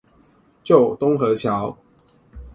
舊東河橋